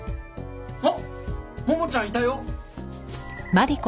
あっももちゃんいたよ！